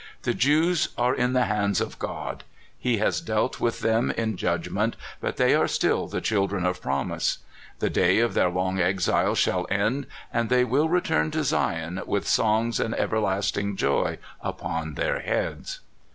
The Jews are in the hands of God. He has dealt with them in judgment, but they are still the children THE BABBI. 159 of promise. The day of their long exile shall end, and they will return to Zion with songs and ever lasting joy upon their heads!"